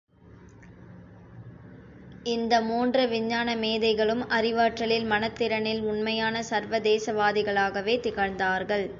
இந்த மூன்று விஞ்ஞான மேதைகளும் அறிவாற்றலில் மனத்திறனில் உண்மையான சர்வதேசவாதிகளாகவே திகழ்ந்தார்கள்!